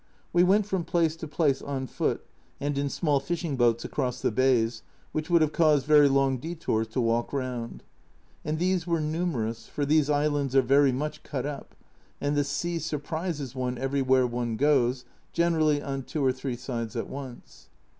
We went from place to place on foot and in small fishing boats across the bays, which would have caused very long detours to walk round ; and these were numerous, for these islands are very much cut up, and the sea surprises one everywhere one goes, generally on two or three sides at once.